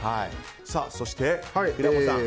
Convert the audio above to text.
そして、平子さん。